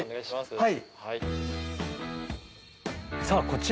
はい。